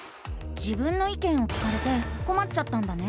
「自分の意見」を聞かれてこまっちゃったんだね？